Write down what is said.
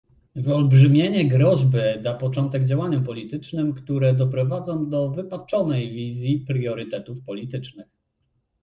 Wyolbrzymienie groźby da początek działaniom politycznym, które doprowadzą do wypaczonej wizji priorytetów politycznych